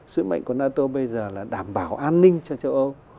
sứ mệnh của nato bây giờ là đảm bảo an ninh cho châu âu